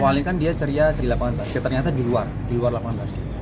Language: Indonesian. awalnya kan dia ceria di lapangan basri ternyata di luar di luar lapangan basket